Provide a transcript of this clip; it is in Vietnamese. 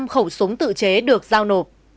bốn trăm linh khẩu súng tự chế được giao nộp